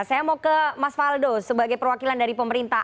saya mau ke mas faldo sebagai perwakilan dari pemerintah